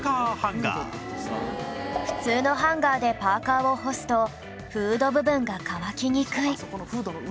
普通のハンガーでパーカーを干すとフード部分が乾きにくい